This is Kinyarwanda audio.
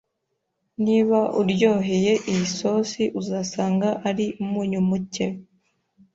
Niba uryoheye iyi sosi uzasanga ari umunyu muke.